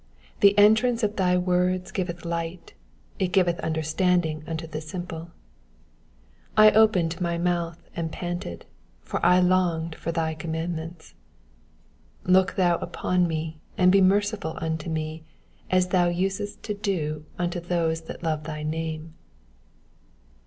130 The entrance of thy words giveth light; it giveth under standing unto the simple. 131 I opened my mouth, and panted : for I longed for thy commandments. 132 Look thou upon me, and be merciful unto me, as thou usest to do unto those that love thy name.